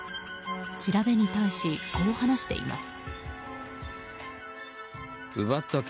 調べに対し、こう話しています。